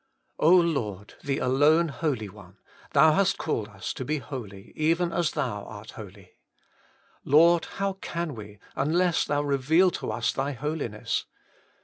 Lord ! the alone Holy One, Thou hast called us to be holy, even as Thou art holy. Lord ! how can we, unless Thou reveal to us Thy Holiness.